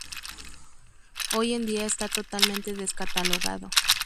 Hoy en día está totalmente descatalogado.